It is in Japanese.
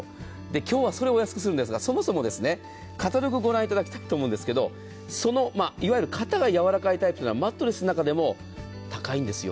今日はそれをお安くするんですが、そもそもカタログご覧いただきたいと思うんですけれども、いわゆる肩がやわらかいタイプはマットレスの中でも高いんですよ。